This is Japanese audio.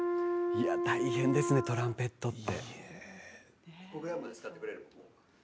大変ですねトランペットって。